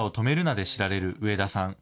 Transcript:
で知られる上田さん。